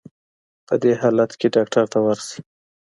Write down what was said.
په دې حالت کي ډاکټر ته ورشئ.